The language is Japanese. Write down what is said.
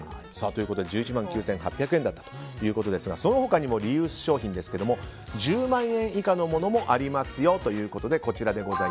１１万１９８０円だったということですがその他にもリユース商品１０万円以下のものもあるということです。